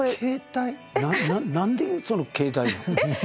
何でその携帯？え？